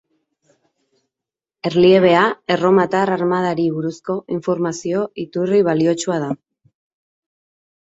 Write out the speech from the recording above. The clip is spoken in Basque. Erliebea, erromatar armadari buruzko informazio iturri baliotsua da.